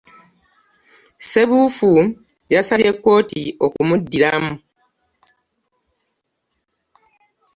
Ssebuufu yasabye kkooti okumuddiramu.